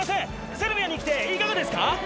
セルビアに来ていかがですか？